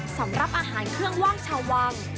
สำหรับอาหารเครื่องว่างชาววัง